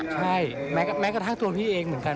ใช่แม้กระทั่งตัวพี่เองเหมือนกัน